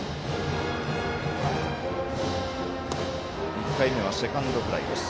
１回目はセカンドフライです。